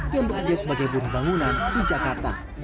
yang bekerja sebagai buruh bangunan di jakarta